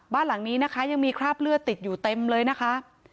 บ้านหลังนี้นะคะยังมีคราบเลือดติดอยู่เต็มเลยนะคะ